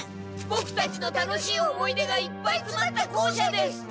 ボクたちの楽しい思い出がいっぱいつまった校舎です！